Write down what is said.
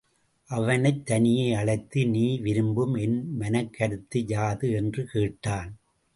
அவனைத் தனியே அழைத்து நீ விரும்பும் என் மனக் கருத்து யாது? என்று கேட்டான்.